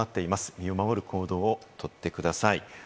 身を守る行動をとってください。